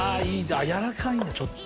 柔らかいんだちょっと。